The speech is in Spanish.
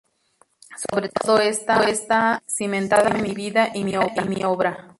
Sobre todo esto está cimentada mi vida y mi obra.